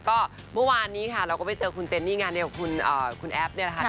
ก็เมื่อวานนี้ค่ะเราก็ไปเจอคุณเจนนี่งานเดียวกับคุณแอฟเนี่ยแหละค่ะ